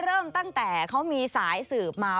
เริ่มตั้งแต่เขามีสายสืบมา